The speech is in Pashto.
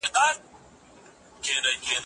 ایا ته غواړې چي په ساینس کي څېړنه وکړې؟